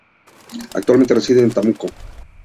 Actualmente reside en Temuco.